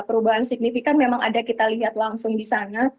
perubahan signifikan memang ada kita lihat langsung di sana